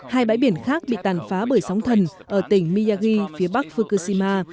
hai bãi biển khác bị tàn phá bởi sóng thần ở tỉnh miyagi phía bắc fukushima